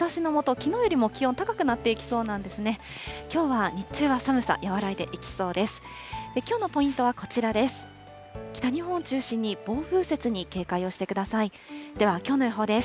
きょうは日中は寒さ、和らいでいきそうです。